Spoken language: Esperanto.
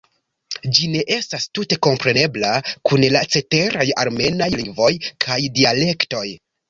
Ĝi ne estas tute komprenebla kun la ceteraj armenaj lingvoj kaj dialektoj.